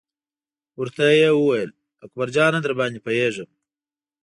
ورته یې وویل: اکبر جانه درباندې پوهېږم.